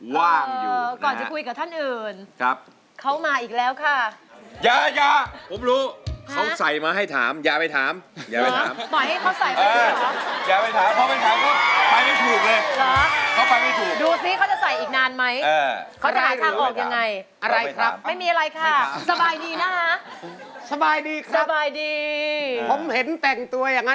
บอกบอกเฮ้ยเปล่านี่มันเป็นแฟชั่น